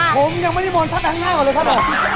ผมยังไม่ได้มนต์ท่านข้างหน้าก่อนเลยครับ